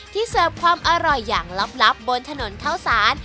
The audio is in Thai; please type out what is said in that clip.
เสิร์ฟความอร่อยอย่างลับบนถนนข้าวสาร